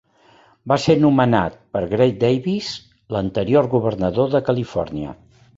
Va ser nomenat per Gray Davis, l'anterior Governador de Califòrnia.